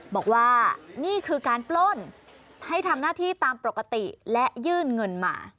บอกว่านี่คือการปล้นให้ทำหน้าที่ตามปกติและยื่นเงินมา